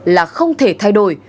là không thể thay đổi